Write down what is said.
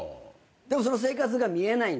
でもその生活が見えない。